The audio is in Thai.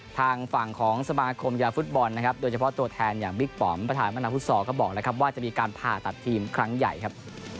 ทางฝั่งของสมาคมกีฬาฟุตบอลนะครับโดยเฉพาะตัวแทนอย่างบิ๊กปอมประธานมนาฟุตซอลก็บอกแล้วครับว่าจะมีการผ่าตัดทีมครั้งใหญ่ครับ